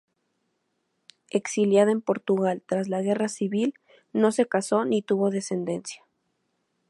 Exiliada en Portugal tras la Guerra Civil, no se casó ni tuvo descendencia.